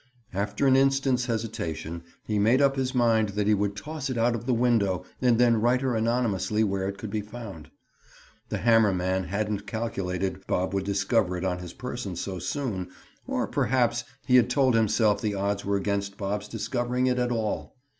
After an instant's hesitation he made up his mind that he would toss it out of the window and then write her anonymously where it could be found. The hammer man hadn't calculated Bob would discover it on his person so soon, or perhaps he had told himself the odds were against Bob's discovering it at all.